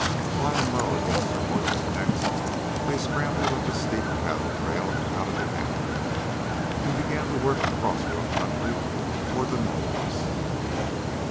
Lying low against their horses' necks, they scrambled up a steep cattle trail out of the canyon, and began to work across rough country toward the knolls.